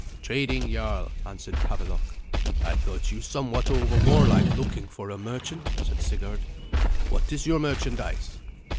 "Trading, jarl," answered Havelok. "I thought you somewhat over warlike looking for a merchant," said Sigurd; "what is your merchandise?"